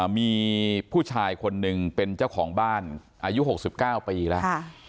มีผู้ชายคนหนึ่งเป็นเจ้าของบ้านอายุ๖๙ปีแล้ว